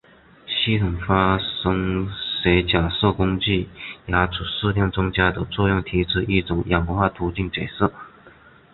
系统发生学假设根据牙齿数量增加的作用提出一种演化途径解释。